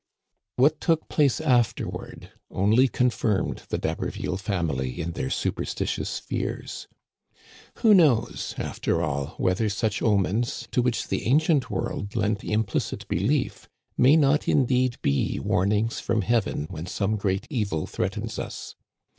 What took place afterward only confirmed the D'Ha berville family in their superstitious fears. Who knows, after all, whether such omens, to which the ancient world lent implicit belief, may not indeed be warnings from heaven when some great evil threatens us